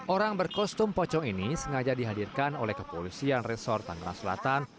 orang berkostum pocong ini sengaja dihadirkan oleh kepolisian resor tangerang selatan